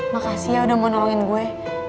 makasih ya udah mau nolongin gue